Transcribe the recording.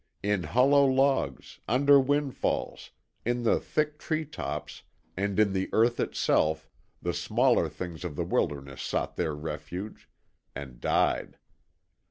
In hollow logs, under windfalls, in the thick tree tops, and in the earth itself, the smaller things of the wilderness sought their refuge and died.